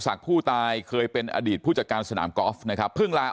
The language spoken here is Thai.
ผู้ตายเคยเป็นอดีตผู้จัดการสนามกอล์ฟนะครับเพิ่งลา